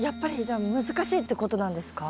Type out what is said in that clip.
じゃあ難しいってことなんですか？